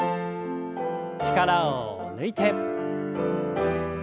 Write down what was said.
力を抜いて。